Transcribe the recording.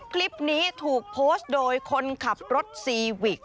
คลิปนี้ถูกโพสต์โดยคนขับรถซีวิก